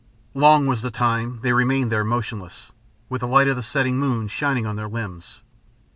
Long was the time they remained there motionless, with the light of the setting moon shining on their limbs.